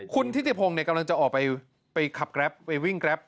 คุณทิติพงศ์กำลังจะออกไปขับแกรปไปวิ่งแกรป